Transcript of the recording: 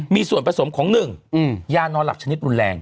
มีส่วนผสมของ๑ยานอนหลับชนิดรุนแรง